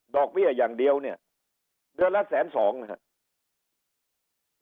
เบี้ยอย่างเดียวเนี่ยเดือนละแสนสองนะครับ